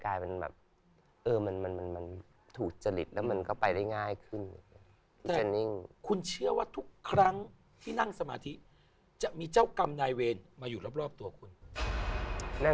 เคยนั่งนานสุดเห็นเพื่อนบอกเพราะเรานั่งเราไม่รู้แล้วนะ